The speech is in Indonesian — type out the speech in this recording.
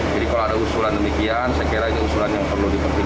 jadi kalau ada usulan demikian saya kira itu usulan yang perlu diperhatikan